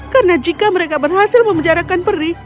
karena jika mereka berhasil memenjarakan peri